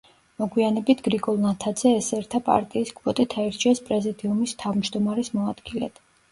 მოგვიანებით გრიგოლ ნათაძე ესერთა პარტიის კვოტით აირჩიეს პრეზიდიუმის თავმჯდომარის მოადგილედ.